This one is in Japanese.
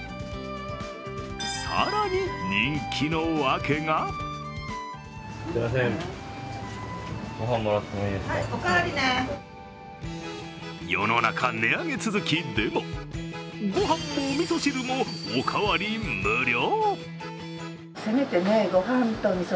更に人気のわけが世の中、値上げ続きでもご飯もおみそ汁もお代わり無料。